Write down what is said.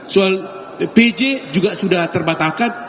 soal pj juga sudah terbatalkan